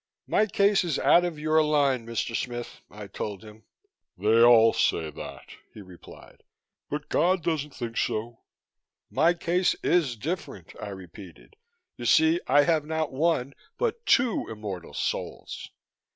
"My case is out of your line, Mr. Smith," I told him. "They all say that," he replied, "but God doesn't think so." "My case is different," I repeated. "You see, I have not one but two immortal souls."